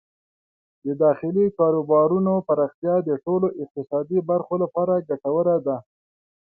د داخلي کاروبارونو پراختیا د ټولو اقتصادي برخو لپاره ګټوره ده.